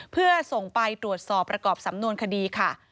เพื่อส่งไปตรวจสอบประกอบสำนวนคดีค่ะ